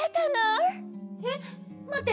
えっまって！